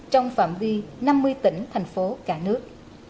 trong phạm vi năm mươi tỉnh thành phố cả nước